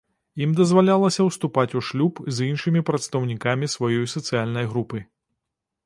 Ім дазвалялася ўступаць у шлюб з іншымі прадстаўнікамі сваёй сацыяльнай групы.